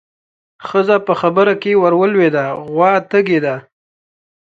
ښځه په خبره کې ورولوېده: غوا تږې ده.